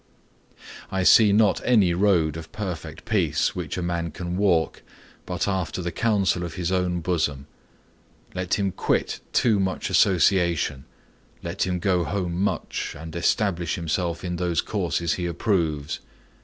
I see not any road of perfect peace which a man can walk, but after the counsel of his own bosom. Let him quit too much association, let him go home much, and stablish himself in those courses he approves.